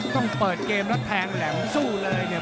ต้องเปิดเกมแล้วแทงแหลมสู้เลยเนี่ย